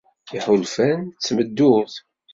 Iḥulfan d tmeddurt.